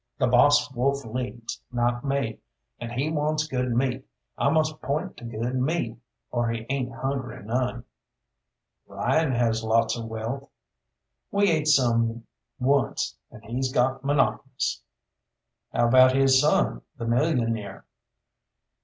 "The boss wolf leads, not me, and he wants good meat. I must point to good meat, or he ain't hungry none." "Ryan has lots of wealth." "We ate some once, and he's got monotonous." "How about his son, the millionaire?"